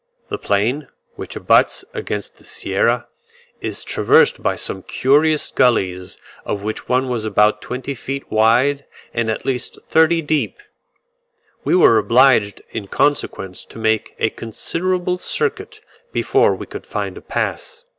The plain, which abuts against the Sierra, is traversed by some curious gullies, of which one was about twenty feet wide, and at least thirty deep; we were obliged in consequence to make a considerable circuit before we could find a pass.